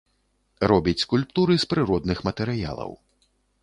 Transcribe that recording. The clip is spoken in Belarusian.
Робіць скульптуры з прыродных матэрыялаў.